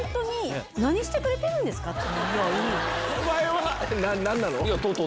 お前は何なの？